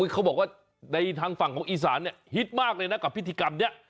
เขาบอกว่าในทางฝั่งของอีสานเนี่ยฮิตมากเลยนะกับพิธีกรรมนี้